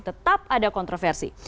tetap ada kontroversi